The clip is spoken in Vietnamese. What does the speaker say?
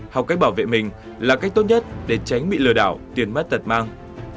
học cách bảo vệ mình là cách tốt nhất để tránh bị lừa đảo tiền mất tật mang